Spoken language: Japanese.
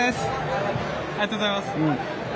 ありがとうございます。